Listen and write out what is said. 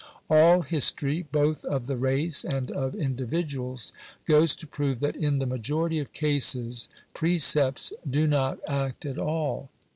All history, both of the race and of individuals, goes to prove that in the majority of cases precepts do not act at all.